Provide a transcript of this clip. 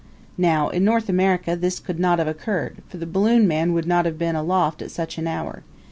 Now in America this could not have occurred, for the balloon man would not have been aloft at such an hour.